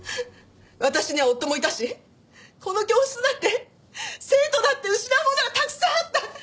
私には夫もいたしこの教室だって生徒だって失うものはたくさんあった。